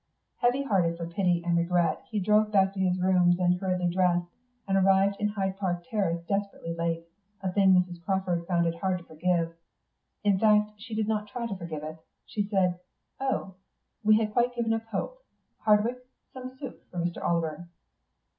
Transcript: Heavy hearted for pity and regret, he drove back to his rooms and hurriedly dressed, and arrived in Hyde Park Terrace desperately late, a thing Mrs. Crawford found it hard to forgive. In fact, she did not try to forgive it. She said, "Oh, we had quite given up hope. Hardwick, some soup for Mr. Oliver."